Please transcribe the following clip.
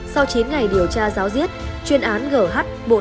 sau chín ngày điều tra giáo diết chuyên án gh